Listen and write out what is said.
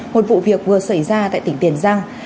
một vụ việc vừa xảy ra tại tỉnh tiền giang